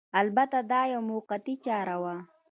البته دا یوه موقتي چاره وه